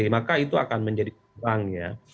maka itu akan menjadi kekurangannya